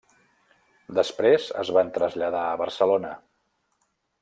Després es van traslladar a Barcelona.